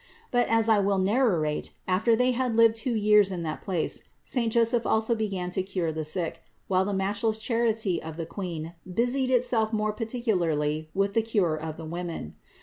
But, as I will narrate, after they had lived two years in that place, saint Joseph also began to cure the sick, while the matchless charity of the Queen busied itself more particularly with the cure of the women.